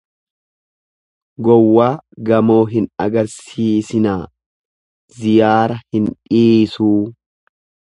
Gowwaa gamoo hin agarsiisinaa ziyaara hin dhiisuu.